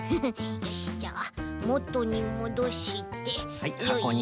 よしじゃあもとにもどしてよいしょっと。